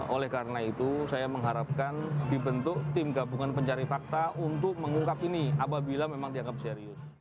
oleh karena itu saya mengharapkan dibentuk tim gabungan pencari fakta untuk mengungkap ini apabila memang dianggap serius